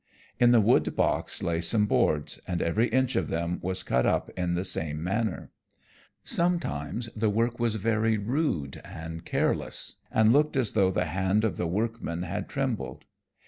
In the wood box lay some boards, and every inch of them was cut up in the same manner. Sometimes the work was very rude and careless, and looked as though the hand of the workman had trembled.